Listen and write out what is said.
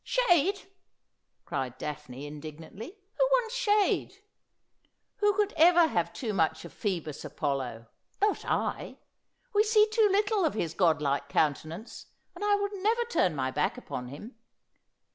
' Shade !' cried Daphne indignantly. ' Who wants shade ? Who could ever have too much of Phoebus Apollo ? Not I. We see too little of his godlike countenance, and I will never turn my back upon him.'